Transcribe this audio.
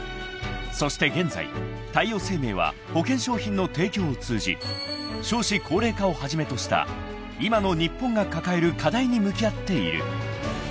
［そして現在太陽生命は保険商品の提供を通じ少子高齢化をはじめとした今の日本が抱える課題に向き合っている］